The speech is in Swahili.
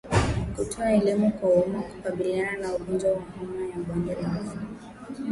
Kutoa Elimu kwa umma hukabiliana na ugonjwa wa homa ya bonde la ufa